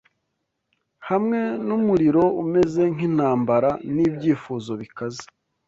hamwe numuriro umeze nkintambara nibyifuzo bikaze